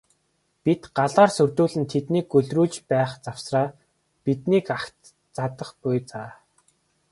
Бид галаар сүрдүүлэн тэднийг гөлрүүлж байх завсраа бидний агт цадах буй за.